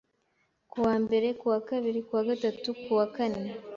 Ku wa mbere, Ku wa kabiri, Ku wa gatatu, Ku wa kane,